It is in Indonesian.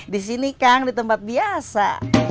di sini kang di tempat biasa